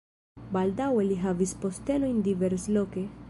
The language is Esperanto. Baldaŭe li havis postenojn diversloke.